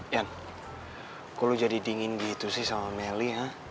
yan kok lo jadi dingin gitu sih sama meli ha